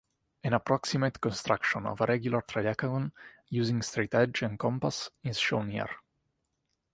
An approximate construction of a regular tridecagon using straightedge and compass is shown here.